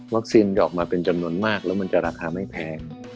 ออกมาเป็นจำนวนมากแล้วมันจะราคาไม่แพง